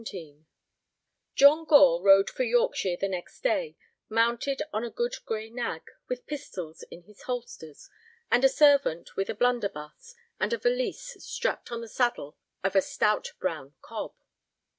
XVII John Gore rode for Yorkshire the next day, mounted on a good gray nag, with pistols in his holsters, and a servant with a blunderbuss, and a valise strapped on the saddle of a stout brown cob.